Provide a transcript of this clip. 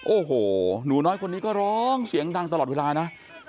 โอ้โหหนูน้อยคนนี้ก็ร้องเสียงดังตลอดเวลานะ